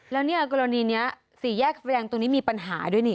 แล้วเนี่ยกรณีนี้สี่แยกไฟแดงตรงนี้มีปัญหาด้วยนี่